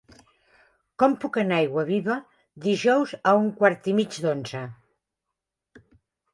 Com puc anar a Aiguaviva dijous a un quart i mig d'onze?